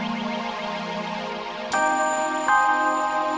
dia n cambiar mendedit itu